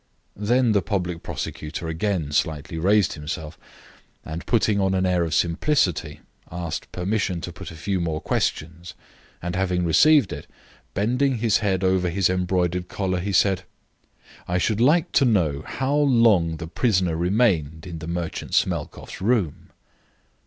Then the public prosecutor again slightly raised himself, and, putting on an air of simplicity, asked permission to put a few more questions, and, having received it, bending his head over his embroidered collar, he said: "I should like to know how long the prisoner remained in the merchant Smelkoff's room."